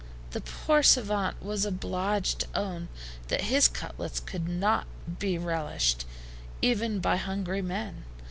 The poor SAVANT was obliged to own that his cutlets could not be relished, even by hungry men.